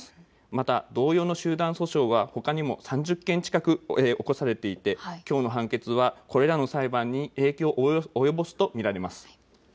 また同様の集団訴訟はほかに３０件近く起こされていてきょうの判決はこれらの裁判に影響を及ぼすと見られます。。